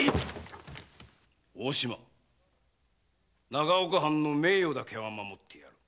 長岡藩の名誉だけは守ってやる。